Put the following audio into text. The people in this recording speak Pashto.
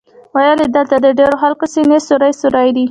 ویل یې دلته د ډېرو خلکو سینې سوري سوري دي.